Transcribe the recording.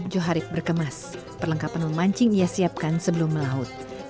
joharif berkemas perlengkapan memancing ia siapkan sebelum melaut